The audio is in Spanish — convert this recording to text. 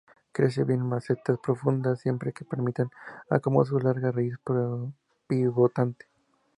Crece bien en macetas profundas, siempre que permitan acomodar su larga raíz pivotante.